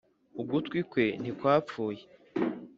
ugutwi kwe ntikwapfuye .